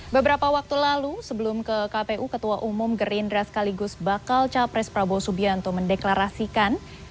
beberapa waktu lalu sebelum ke kpu ketua umum gerindra sekaligus bakal capres prabowo subianto mendeklarasikan